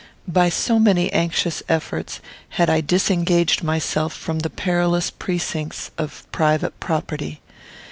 By so many anxious efforts had I disengaged myself from the perilous precincts of private property.